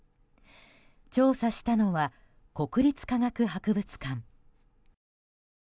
調査したのは国立科学博物館。